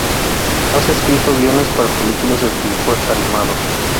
Has escrito guiones para películas de dibujos animados.